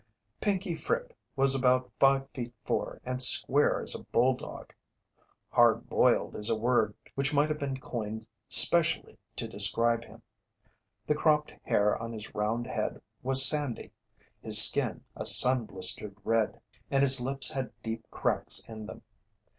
Pinkey Fripp was about five feet four and square as a bulldog. "Hard boiled" is a word which might have been coined specially to describe him. The cropped hair on his round head was sandy, his skin a sun blistered red, and his lips had deep cracks in them.